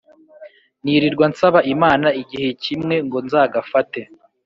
nirirwa nsaba imana igihe kimwe ngo nzagafate